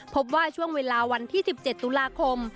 พบว่าช่วงเวลาวันที่๑๗ตุลาคม